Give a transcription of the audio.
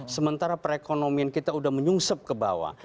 sementara perekonomian kita sudah menyungsep ke bawah